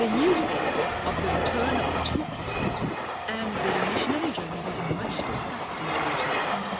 The news therefore of the return of the two Apostles and their missionary journej^ was much discussed in J erusalem.